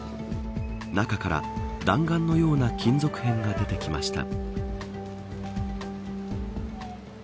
中から弾丸のような金属片が出てきました。